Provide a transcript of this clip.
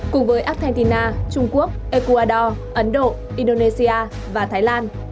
cùng với argentina trung quốc ecuador ấn độ indonesia và thái lan